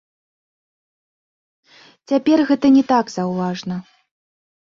Цяпер гэта не так заўважна.